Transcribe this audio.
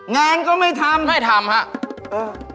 งานก็ไม่ทำให้ทำครับ